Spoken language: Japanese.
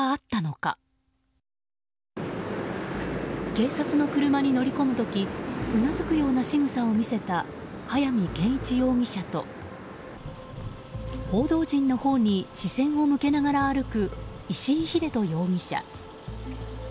警察の車に乗り込む時うなずくようなしぐさを見せた早見賢一容疑者と報道陣のほうに視線を向けながら歩く、石井英人容疑者。